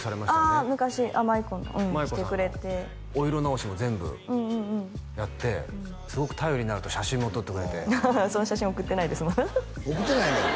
あ昔まいこの着てくれてお色直しも全部やってすごく頼りになると写真も撮ってくれてその写真送ってないですまだ送ってないの？